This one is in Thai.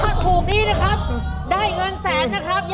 ถ้าถูกนี้นะครับได้เงินแสนนะครับ